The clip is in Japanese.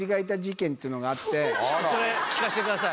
それ聞かせてください。